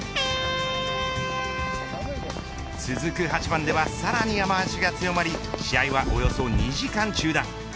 続く８番ではさらに雨脚が強まり試合は、およそ２時間中断。